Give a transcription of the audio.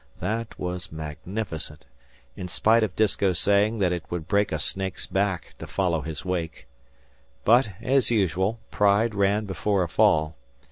That was magnificent, in spite of Disko saying that it would break a snake's back to follow his wake. But, as usual, pride ran before a fall.